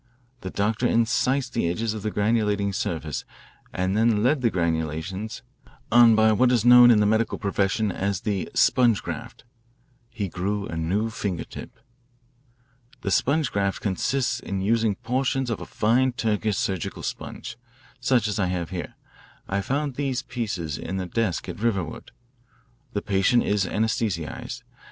The doctor incised the edges of the granulating surface and then led the granulations on by what is known in the medical profession as the 'sponge graft.' He grew a new finger tip. "The sponge graft consists in using portions of a fine Turkish surgical sponge, such I have here. I found these pieces in a desk at Riverwood. The patient is anaesthetised.